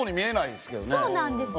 そうなんですよ。